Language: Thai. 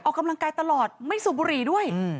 ออกกำลังกายตลอดไม่สูบบุหรี่ด้วย